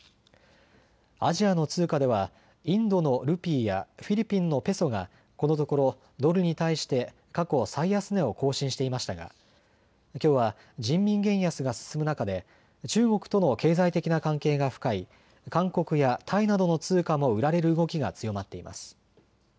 アジアの通貨ではインドのルピーやフィリピンのペソがこのところドルに対して過去、最安値を更新していましたがきょうは人民元安が進む中で中国との経済的な関係が深い韓国やタイなどの通貨も売られる動きが強まっています。